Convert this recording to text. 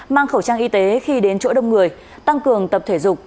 mang khẩu trang y tế khi đến chỗ đông người tăng cường tập thể dục